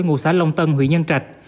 ngụ xã long tân huyện nhân trạch